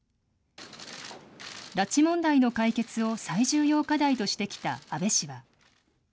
拉致問題の解決を最重要課題としてきた安倍氏は。